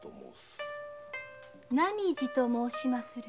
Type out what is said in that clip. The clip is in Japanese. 浪路と申しまする。